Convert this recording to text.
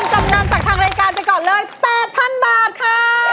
จำนำจากทางรายการไปก่อนเลย๘๐๐๐บาทค่ะ